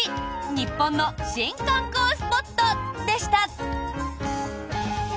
日本の新観光スポットでした。